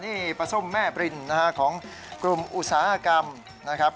นี่ปลาส้มแม่บรินนะฮะของกลุ่มอุตสาหกรรมนะครับ